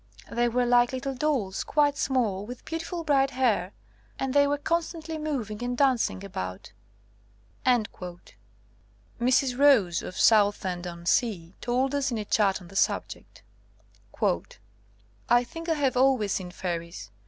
They were like little dolls, quite small, with beauti ful bright hair, and they were constantly moving and dancing about." Mrs. Rose, of Southend on Sea, told us in a chat on the subject : *'I think I have always seen fairies.